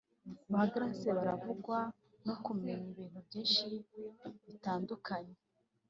Ba Grâce barangwa no kumenya ibintu byinshi bitandukanye